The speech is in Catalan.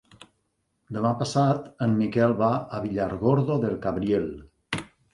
Demà passat en Miquel va a Villargordo del Cabriel.